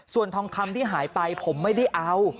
ส่วนทองคำที่หายไปผมไม่ได้เอา